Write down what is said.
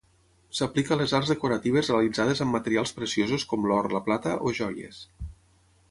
S'aplica a les arts decoratives realitzades amb materials preciosos com l'or, la plata, o joies.